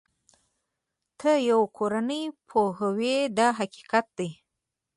ته یوه کورنۍ پوهوې دا حقیقت دی.